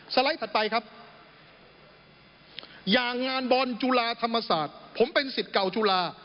ไลด์ถัดไปครับอย่างงานบอลจุฬาธรรมศาสตร์ผมเป็นสิทธิ์เก่าจุฬา